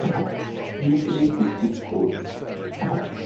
Military District Courts.